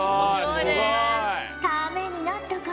ためになったかのう？